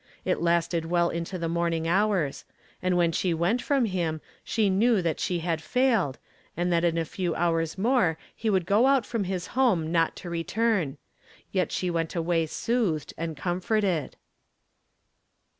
It lasted well into the morn ing hours ; and when she went from him she knew that she had failed, and that in a few hours more he would go out from his home not to return ; yet she went away soothed and comforted.